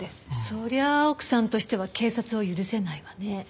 そりゃあ奥さんとしては警察を許せないわね。